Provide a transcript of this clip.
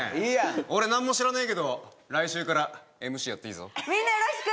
俺何も知らねえけど来週からＭＣやっていいぞみんなよろしく！